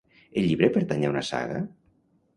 El llibre pertany a una saga?